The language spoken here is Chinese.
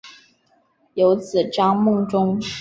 有子张孟中。